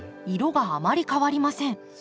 色があまり変わりません。